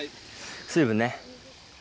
水分ね。